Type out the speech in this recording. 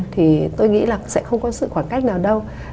thì tôi nghĩ là sẽ không có sự khoảng cách nào đâu